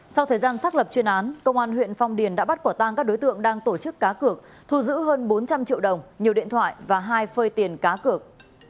sau thời gian xác lập chuyên án công an huyện phong điền đã bắt quả tang các đối tượng đang tổ chức cá cược thu giữ hơn bốn trăm linh triệu đồng nhiều điện thoại và hai phơi tiền cá cược